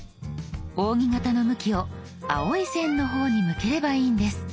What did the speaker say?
扇形の向きを青い線の方に向ければいいんです。